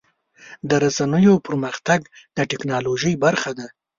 د رسنیو پرمختګ د ټکنالوژۍ برخه ده.